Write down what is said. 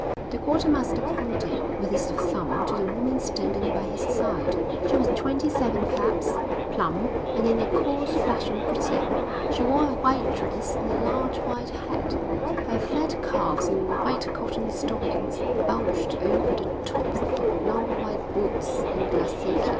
The quartermaster pointed with his thumb to the woman standing by his side. She was twenty seven perhaps, plump, and in a coarse fashion pretty. She wore a white dress and a large white hat. Her fat calves in white cotton stockings bulged over the tops of long white boots in glacé kid.